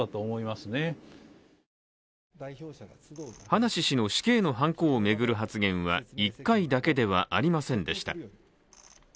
葉梨氏の死刑のはんこを巡る発言は、１回だけではありませんでした。